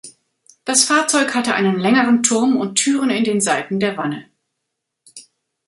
Das Fahrzeug hatte einen längeren Turm und Türen in den Seiten der Wanne.